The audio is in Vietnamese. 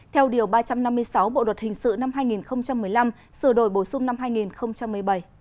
theo điều ba trăm năm mươi sáu bộ luật hình sự năm hai nghìn một mươi năm sửa đổi bổ sung năm hai nghìn một mươi bảy